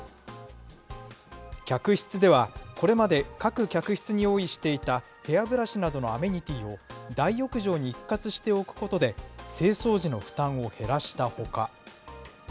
客室では、これまで各客室に用意していたヘアブラシなどのアメニティーを大浴場に一括して置くことで、清掃時の負担を減らしたほか。